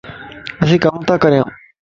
اسين ڪم تا ڪريان